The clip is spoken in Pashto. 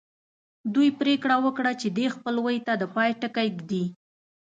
دوی پرېکړه وکړه چې دې خپلوۍ ته د پای ټکی ږدي